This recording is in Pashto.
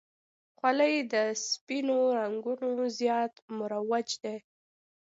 خولۍ د سپینو رنګو زیات مروج دی.